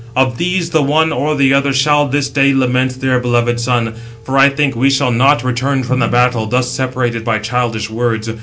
Of these the one or the other shall this day lament their beloved son; for I think we shall not return from the battle thus separated by childish words.